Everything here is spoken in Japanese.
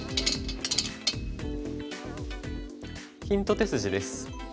ヒント手筋です。